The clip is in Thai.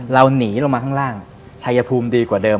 เราหนีลงมาข้างล่างชายภูมิดีกว่าเดิ